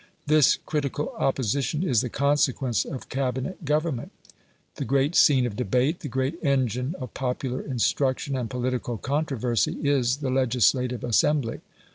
This critical opposition is the consequence of Cabinet government. The great scene of debate, the great engine of popular instruction and political controversy, is the legislative assembly.